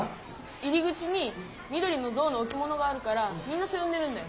入り口にみどりのゾウのおきものがあるからみんなそうよんでるんだよ。